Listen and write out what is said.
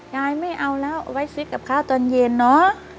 ยายไม่เอาแล้วเอาไว้ซื้อกับข้าวตอนเย็นเนาะ